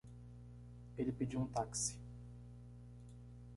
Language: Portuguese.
Ele pediu um táxi